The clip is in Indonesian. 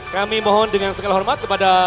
kami mohon dengan segala hormat kepada